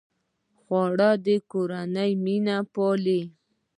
خوړل د کورنۍ مینه پالي